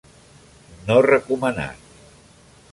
No recomanat.